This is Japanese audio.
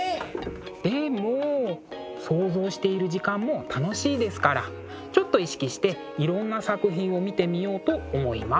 でも想像している時間も楽しいですからちょっと意識していろんな作品を見てみようと思います。